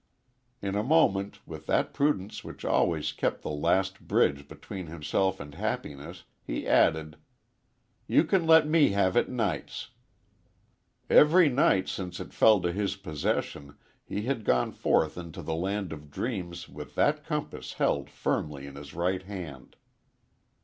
In a moment, with that prudence which always kept the last bridge between himself and happiness, he added, "You can let me have it nights." Every night since it fell to his possession he had gone forth into the land of dreams with that compass held firmly in his right hand.